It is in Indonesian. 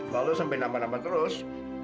falu sampai nama nama terus